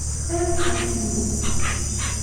Ales-d isem-im.